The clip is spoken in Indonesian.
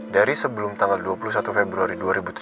dari sebelum tanggal dua puluh satu februari dua ribu tujuh belas